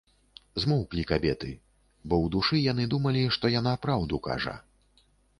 Змоўклі кабеты, бо ў душы яны думалі, што яна праўду кажа.